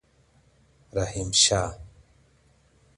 رحیم شاه